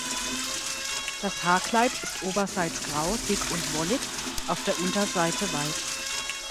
Das Haarkleid ist oberseits grau, dick und wollig, auf der Unterseite weiß.